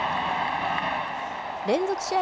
連続試合